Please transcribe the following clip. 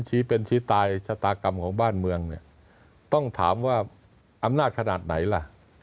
ชี้เป็นชี้ตายชะตากรรมของบ้านเมืองเนี่ยต้องถามว่าอำนาจขนาดไหนล่ะ